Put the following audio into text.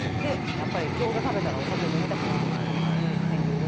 やっぱり餃子食べたらお酒を飲みたくなるっていう。